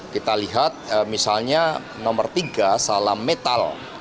kita lihat misalnya nomor tiga salam metal